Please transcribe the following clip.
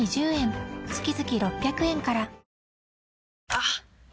あっ！